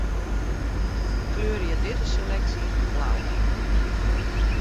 Kleurje dizze seleksje blau.